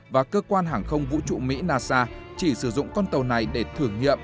và cơ quan hàng không vũ trụ mỹ nasa chỉ sử dụng con tàu này để thử nghiệm